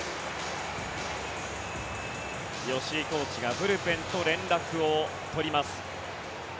吉井コーチがブルペンと連絡を取ります。